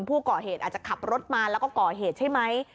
ผู้ก่อเหตุอาจจะขับรถมาแล้วก็ก่อเหตุใช่ไหม